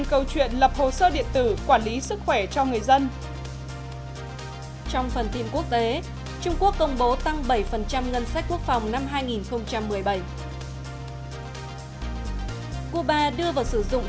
cuba đưa vào sử dụng thuốc mới điều trị ung thư ra